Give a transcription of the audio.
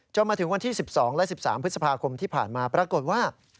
มาถึงวันที่๑๒และ๑๓พฤษภาคมที่ผ่านมาปรากฏว่า